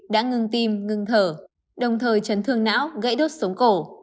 đã ngưng tim ngưng thở đồng thời trấn thương não gãy đốt sống cổ